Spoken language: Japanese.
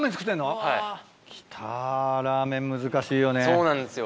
そうなんですよ。